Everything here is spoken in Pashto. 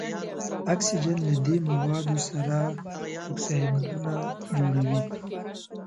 اکسیجن له دې موادو سره اکسایدونه جوړوي.